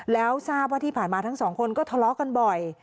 แล้วทราบว่าที่ผ่านมาทั้งสองคนก็ทะเลาะกันบ่อย